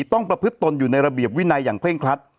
ประพฤติตนอยู่ในระเบียบวินัยอย่างเคร่งครัด